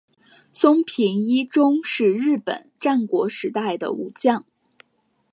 松平伊忠是日本战国时代的武将。